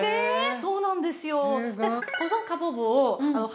そうなんですよ。